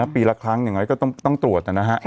ปีละครั้งอย่างน้อยก็ต้องตรวจนะฮะ